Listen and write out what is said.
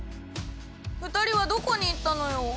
２人はどこに行ったのよ？